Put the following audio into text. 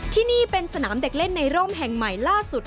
ที่นี่เป็นสนามเด็กเล่นในร่มแห่งใหม่ล่าสุด